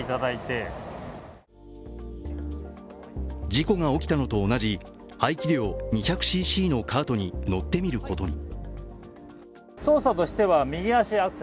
事故が起きたのと同じ排気量２００ｃｃのカートに乗ってみることに。